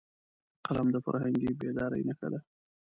قلم د فرهنګي بیدارۍ نښه ده